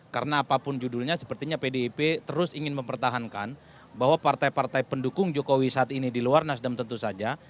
karena apapun judulnya sepertinya pdip terus ingin mempertahankan bahwa partai partai pendukung jokowi saat ini di luar nasdem tentu saja